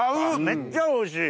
めっちゃおいしい。